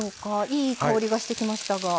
いい香りがしてきましたが。